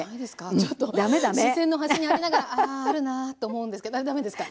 ちょっと視線の端にありながらあああるなと思うんですけど駄目ですか？